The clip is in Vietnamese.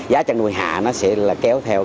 giá chăn nuôi hạ nó sẽ là kéo theo